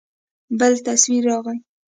بل تصوير راغى.